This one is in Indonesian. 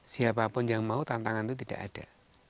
siapa pun yang mau tantangan itu tidak ada